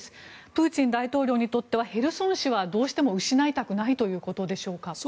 プーチン大統領にとってはヘルソン市はどうしても失いたくないということでしょうか。